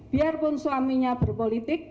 biarpun suaminya berpolitik